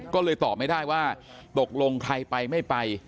ก็เลยตอบไม่ได้ว่าตกลงใครไปไม่ไป